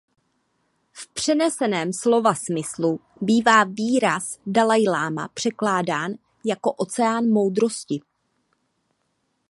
V přeneseném slova smyslu bývá výraz dalajláma překládán jako „oceán moudrosti“.